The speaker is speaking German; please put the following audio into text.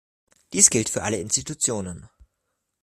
Dies gilt für alle Institutionen.